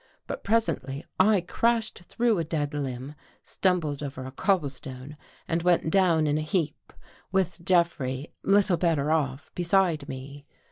But presently I crashed through a dead limb, stumbled over a cobble stone, and went down in a heap, with Jeffrey, little better off, beside me.